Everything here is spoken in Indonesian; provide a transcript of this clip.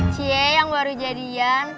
cie yang baru jadian